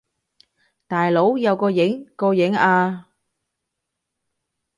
大佬，有個影！個影呀！